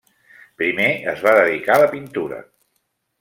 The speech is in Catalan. Primer es va dedicar a la pintura.